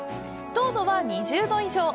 糖度は２０度以上！